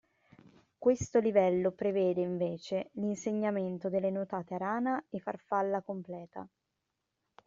Questo livello prevede, invece, l'insegnamento delle nuotate a rana e farfalla completa.